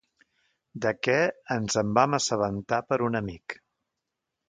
De què ens en vam assabentar per un amic.